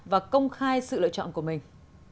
và công khai sự lựa chọn của mình